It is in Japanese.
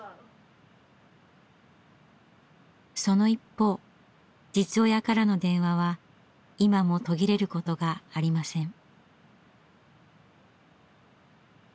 その一方実親からの電話は今も途切れることがありません。